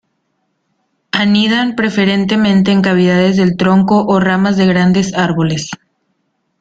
Anidan preferentemente en cavidades del tronco o ramas de grandes árboles.